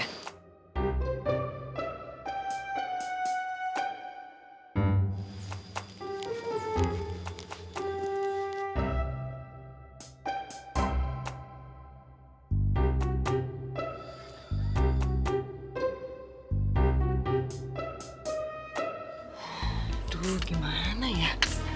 aduh gimana ya